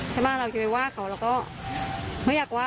ใช่ป่ะเราจะไปว่าเขาเราก็ไม่อยากว่า